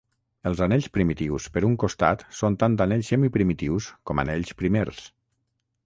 Els anells primitius per un costat són tant anells semiprimitius com anells primers.